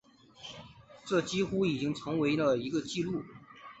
这几乎已经成为了一个记录。